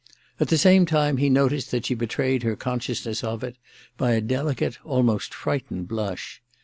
At the same time, he noticed that she betrayed her consciousness of it by a delicate, almost frightened blush.